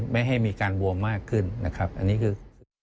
ไม่ให้มีการบวมมากขึ้นนะครับอันนี้คือ